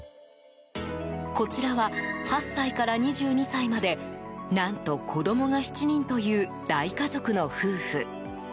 こちらは、８歳から２２歳まで何と子供が７人という大家族の夫婦。